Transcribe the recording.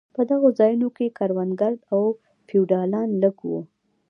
په دغو ځایو کې کروندګر او فیوډالان لږ وو.